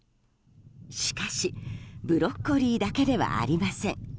しかし、ブロッコリーだけではありません。